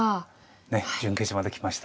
ねえ準決勝まできました。